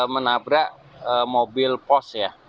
menabrak mobil pos ya